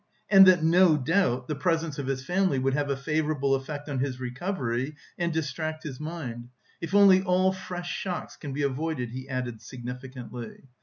and that no doubt the presence of his family would have a favourable effect on his recovery and distract his mind, "if only all fresh shocks can be avoided," he added significantly.